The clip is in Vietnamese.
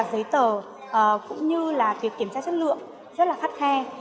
các doanh nghiệp việt nam cũng như là việc kiểm tra chất lượng rất là khách khe